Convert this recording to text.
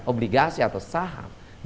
obligasi atau saham